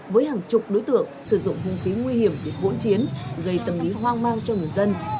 với hàng chục đối tượng sử dụng hung khí nguy hiểm để hỗn chiến gây tâm lý hoang mang cho người dân